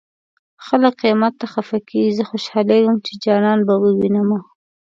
خلک قيامت ته خفه کيږي زه خوشالېږم چې جانان به ووينمه